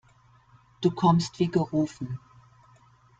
Du kommst wie gerufen.